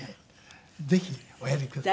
ぜひおやりください。